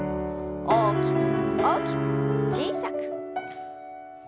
大きく大きく小さく。